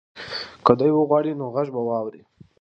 که دی وغواړي نو غږ به واوري.